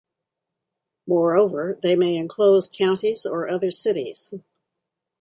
Moreover, they may enclose counties or other cities.